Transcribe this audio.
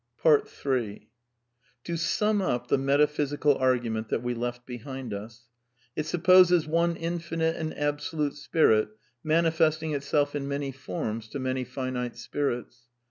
in To sum up the metaphysical argument that we left be hind us. It supposes one infinite and absolute Spirit mani festing itself in many forms to many finite spirits.